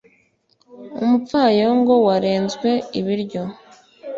umupfayongo warenzwe ibiryo